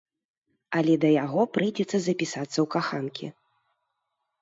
Але да яго прыйдзецца запісацца ў каханкі.